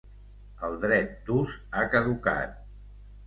El dret d'ús ha caducat.